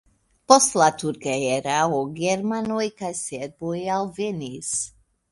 Post la turka erao germanoj kaj serboj alvenis.